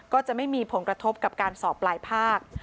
ก็จะไม่มีผลกระทบกับการสอบปลายภาค